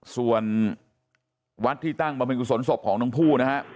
ส่วนวัดที่ตั้งบรรพิกุศลศพของทั้งคู่นะฮะ